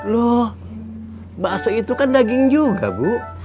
loh bakso itu kan daging juga bu